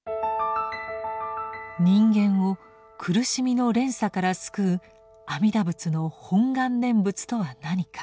人間を苦しみの連鎖から救う阿弥陀仏の「本願念仏」とは何か。